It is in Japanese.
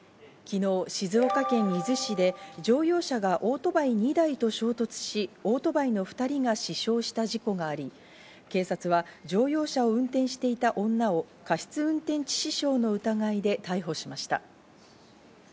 昨日、静岡県伊豆市で乗用車がオートバイ２台と衝突し、オートバイの２人が死傷した事故があり、警察は乗用車を運転していた女を過失運転致死傷の疑いで逮捕しました。